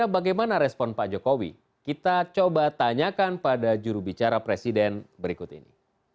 bagaimana respon pak jokowi kita coba tanyakan pada jurubicara presiden berikut ini